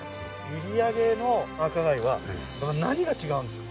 閖上の赤貝は何が違うんですか？